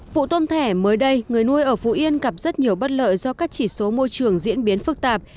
vụ tôm thẻ mới đây người nuôi ở phú yên gặp rất nhiều bất lợi do các chỉ số môi trường diễn biến phức tạp